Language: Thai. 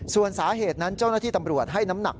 ส่วนสาเหตุนั้นเจ้าหน้าที่ตำรวจให้น้ำหนัก